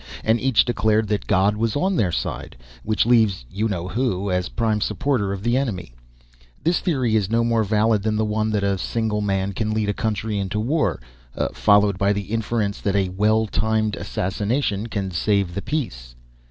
And each declared that God was on their side. Which leaves You Know Who as prime supporter of the enemy. This theory is no more valid than the one that a single man can lead a country into war, followed by the inference that a well timed assassination can save the peace."